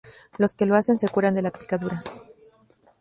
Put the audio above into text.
Los que lo hacen se curan de la picadura.